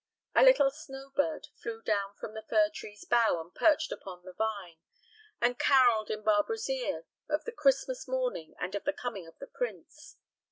A little snow bird flew down from the fir tree's bough and perched upon the vine, and carolled in Barbara's ear of the Christmas morning and of the coming of the prince.